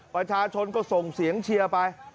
ประชาชนก็ส่งเสียงเชียร์ไป